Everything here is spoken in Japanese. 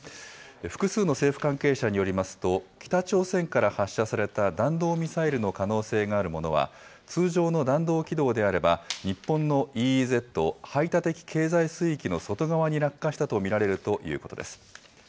複数の政府関係者によりますと、北朝鮮から発射された弾道ミサイルの可能性があるものは、通常の弾道軌道であれば、日本のＥＥＺ・排他的経済水域の外側に落下したと見られるということです。